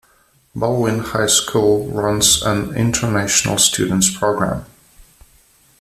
Balwyn High School runs an 'International Students Program'.